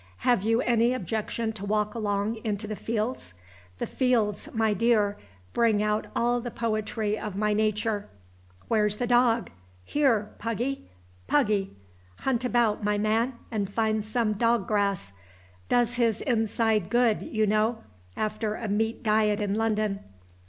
Have you any objection to walk along into the fields? The fields, my dear, bring out all the poetry of my nature. Where's the dog? Here, Puggy! Puggy! hunt about, my man, and find some dog grass. Does his inside good, you know, after a meat diet in London.